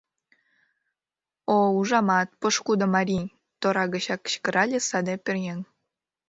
— О-о, ужамат, пошкудо марий! — тора гычак кычкырале саде пӧръеҥ.